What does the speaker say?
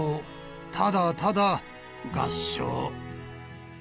ただ、ただ、合掌。